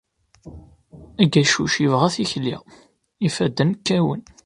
Agacuc yebɣa tikli, ifadden kkawen.